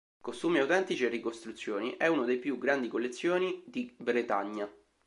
Costumi autentici e ricostruzioni, è uno dei più grandi collezioni di Bretagna.